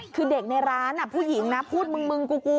คือเด็กในร้านน่ะผู้หญิงพูดมึงมึงกูกู